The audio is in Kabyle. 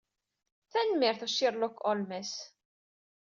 Tanemmirt a Sherlock Holmes.